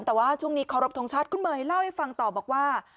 แต่ว่าช่วงนี้เคารพทงชาติคุณเมย์เล่าให้ฟังต่อบอกว่า